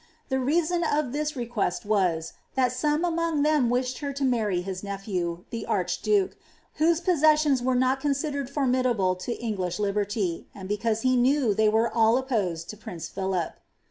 The reason of this request was, that some among them wished her to marry his nephew, the archduke, whose possessions were not considefed formidable to English liberty, and because he knew they were all op> posed to prince Philip.